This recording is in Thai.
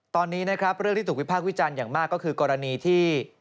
ตอนนี้นะครับเรื่องที่ถูกวิพากษ์วิจารณ์อย่างมากก็คือกรณีที่